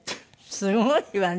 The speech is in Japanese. すごいわね。